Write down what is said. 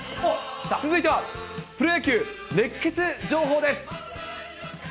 続いてはプロ野球熱ケツ情報です。